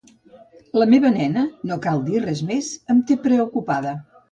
La meva nena, no cal dir res més, em té preocupada.